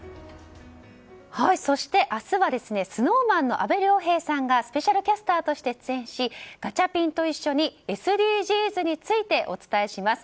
そして、明日はＳｎｏｗＭａｎの阿部亮平さんがスペシャルキャスターとして出演しガチャピンと一緒にＳＤＧｓについてお伝えします。